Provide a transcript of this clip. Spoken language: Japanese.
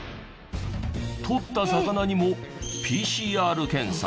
とった魚にもＰＣＲ検査。